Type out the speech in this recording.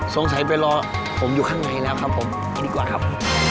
สงสัยไปรอผมอยู่ข้างในแล้วครับผมดีกว่าครับ